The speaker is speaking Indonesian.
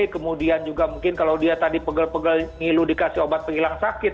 kemudian juga mungkin kalau dia tadi pegel pegel ngilu dikasih obat penghilang sakit